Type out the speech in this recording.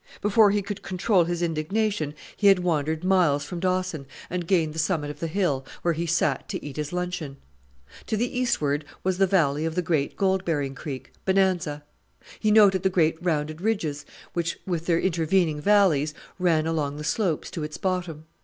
Before he could control his indignation he had wandered miles from Dawson, and gained the summit of the hill, where he sat to eat his luncheon. To the eastward was the valley of the great gold bearing creek, Bonanza. He noted the great rounded ridges, which, with their intervening valleys, ran along the slopes to its bottom.